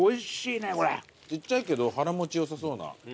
ちっちゃいけど腹持ち良さそうな。